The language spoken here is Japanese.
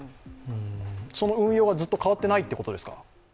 その運用がずっと変わっていないということですか？